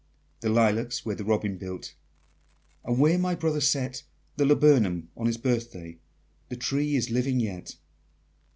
The lilacs where the robin built, And where my brother set The laburnum on his birthday, The tree is living yet!